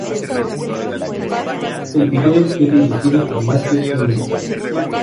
El video fue dirigido por Matthew Cullen.